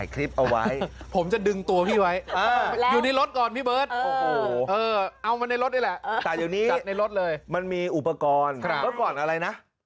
คอมฟอร์ตร้อย